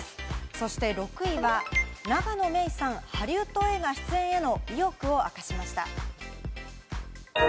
そして６位は永野芽郁さん、ハリウッド映画出演への意欲を明かしました。